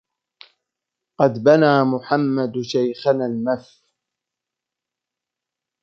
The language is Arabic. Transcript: قد بناها محمد شيخنا المف